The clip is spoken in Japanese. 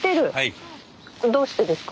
どうしてですか？